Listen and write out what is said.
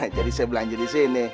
jadi saya belanja di sini